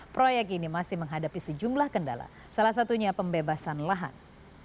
proyek ini masih menghadapi sejumlah kendala salah satunya pembebasan lahan